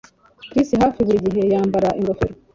Chris hafi buri gihe yambara ingofero